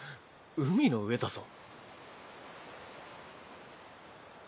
海の上だぞ。